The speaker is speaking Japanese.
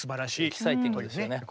エキサイティングですよね。